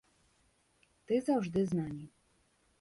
Ты заўжды з намі.